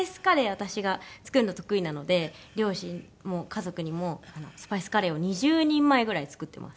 私が作るの得意なので両親も家族にもスパイスカレーを２０人前ぐらい作ってます。